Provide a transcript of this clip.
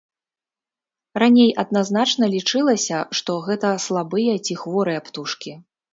Раней адназначна лічылася, што гэта слабыя ці хворыя птушкі.